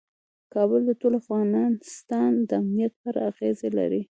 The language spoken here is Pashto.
کابل د ټول افغانستان د امنیت په اړه اغېز لري.